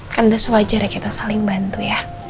kan udah sewajarnya kita saling bantu ya